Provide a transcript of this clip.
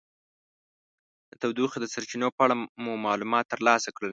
د تودوخې د سرچینو په اړه مو معلومات ترلاسه کړل.